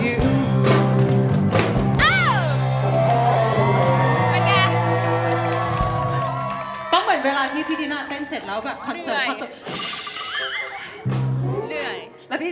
พูดอีกทีพูดอีกทีพูดอีกทีได้หรือเปล่า